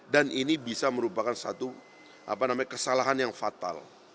dan ini bisa merupakan satu kesalahan yang fatal